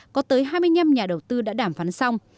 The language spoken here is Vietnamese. có tới hai mươi năm nhà đầu tư đã đàm phán xong